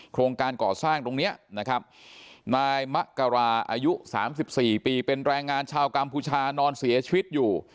โครงการก่อสร้างตรงนี้นะครับนายมะกราอายุ๓๔ปีเป็นแรงงานชาวกัมพูชานอนเสียชีวิตอยู่